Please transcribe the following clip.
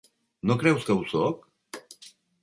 No creus que ho sóc?